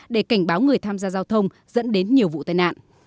để cảnh báo người tham gia giao thông dẫn đến nhiều vụ tai nạn